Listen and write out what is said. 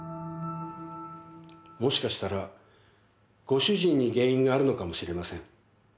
もしかしたら、ご主人に原因があるのかもしれません。